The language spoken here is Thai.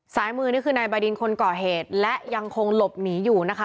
สายมือนี่คือนายบาดินคนก่อเหตุและยังคงหลบหนีอยู่นะคะ